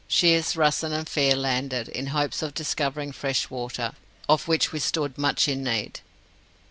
Shiers, Russen, and Fair landed, in hopes of discovering fresh water, of which we stood much in need.